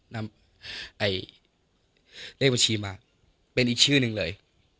นำเลขบัญชีมาเป็นอีกชื่อหนึ่งเลย